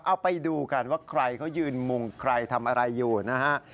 เอาไปดูกันว่าใครเขายืนมุงใครทำอะไรอยู่นะฮะ